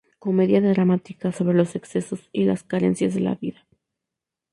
Comedia dramática sobre los excesos y las carencias de la vida.